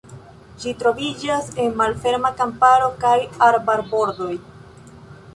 Ĝi troviĝas en malferma kamparo kaj arbarbordoj.